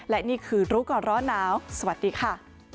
และนี่คือรู้ก่อนร้อนหนาวสวัสดีค่ะ